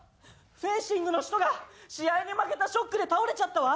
フェンシングの人が試合に負けたショックで倒れちゃったわ。